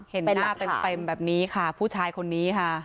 เห็นหน้าเต็มแบบนี้ค่ะผู้ชายคนนี้ค่ะ